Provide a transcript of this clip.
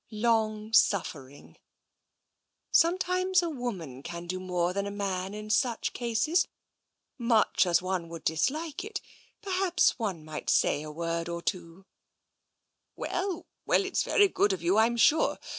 Long suffering. Sometimes a woman can do more than a man in such cases. Much as one would dislike it, perhaps one might say a word or two/' " Well, well, it's very good of you, I'm sure.